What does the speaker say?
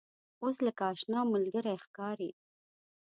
اوس لکه آشنا ملګری ښکاري.